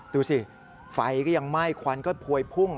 ดูสิไฟก็ยังไหม้ควันก็พวยพุ่ง